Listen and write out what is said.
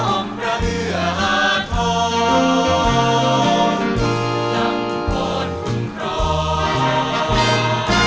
ขออมพระเหลือหาทองต่ำโพธิภูมิพร้อม